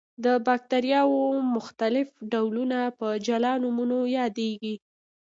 د باکتریاوو مختلف ډولونه په جلا نومونو یادیږي.